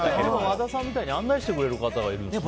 和田さんみたいに案内してくれる方がいるんですね。